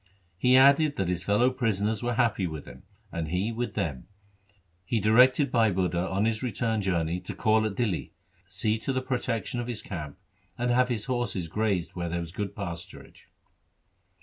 He added that his fellow prisoners were happy with him, and he with them. He directed Bhai Budha on his return journey to call at Dihli, see to the protection of his camp, and have his horses grazed where there was good pasturage.